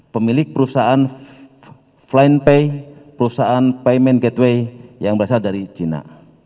pemilik perusahaan flying pay perusahaan payment gateway yang berasal dari cina